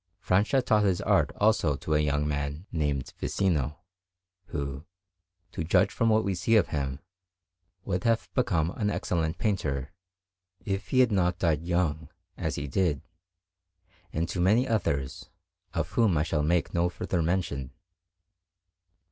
Francia taught his art also to a young man named Visino, who, to judge from what we see of him, would have become an excellent painter, if he had not died young, as he did; and to many others, of whom I shall make no further mention.